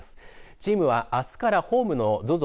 チームはあすからホームのＺＯＺＯ